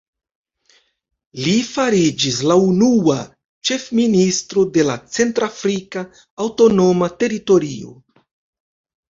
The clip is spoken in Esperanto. Li fariĝis la unua ĉefministro de la centr-afrika aŭtonoma teritorio.